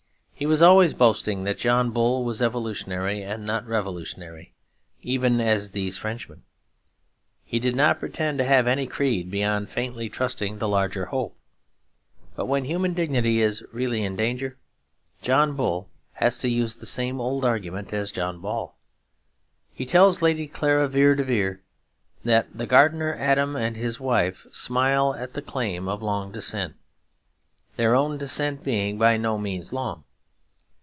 He was always boasting that John Bull was evolutionary and not revolutionary, even as these Frenchmen. He did not pretend to have any creed beyond faintly trusting the larger hope. But when human dignity is really in danger, John Bull has to use the same old argument as John Ball. He tells Lady Clara Vere de Vere that 'the gardener Adam and his wife smile at the claim of long descent'; their own descent being by no means long.